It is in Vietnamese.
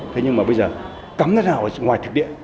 thế nhưng mà bây giờ cấm cái nào ngoài thực địa